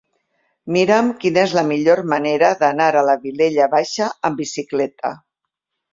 Mira'm quina és la millor manera d'anar a la Vilella Baixa amb bicicleta.